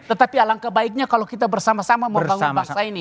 tetapi alangkah baiknya kalau kita bersama sama membangun bangsa ini